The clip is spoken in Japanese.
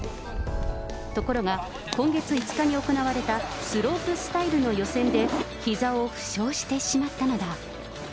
ところが今月５日に行われたスロープスタイルの予選でひざを負傷してしまったのだ。